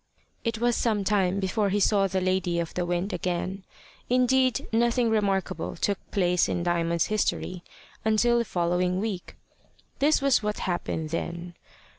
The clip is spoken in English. It was some time before he saw the lady of the wind again. Indeed nothing remarkable took place in Diamond's history until the following week. This was what happened then.